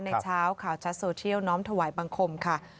เช้าข่าวชัดโซเชียลน้อมถวายบังคมค่ะ